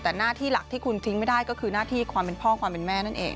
แต่หน้าที่หลักที่คุณทิ้งไม่ได้ก็คือหน้าที่ความเป็นพ่อความเป็นแม่นั่นเอง